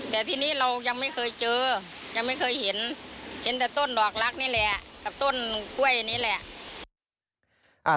แต่ทีนี้เรายังไม่เคยเจอยังไม่เคยเห็นเห็นแต่ต้นดอกรักนี่แหละกับต้นกล้วยนี่แหละ